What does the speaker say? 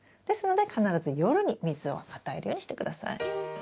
ですので必ず夜に水を与えるようにして下さい。